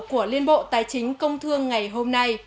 của liên bộ tài chính công thương ngày hôm nay